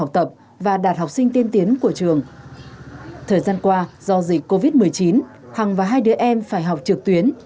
thời gian qua do dịch covid một mươi chín hằng và hai đứa em phải học trực tuyến